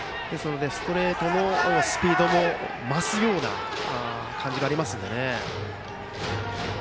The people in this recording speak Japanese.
ストレートのスピードも増すような感じがありますね。